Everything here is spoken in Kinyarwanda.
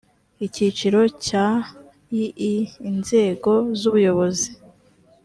icyiciro cya ii inzego z’ ubuyobozi